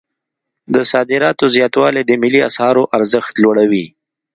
د صادراتو زیاتوالی د ملي اسعارو ارزښت لوړوي.